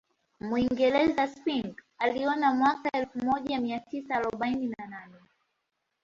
Mwingereza Spink aliona mwaka elfu moja mia tisa arobaini na nne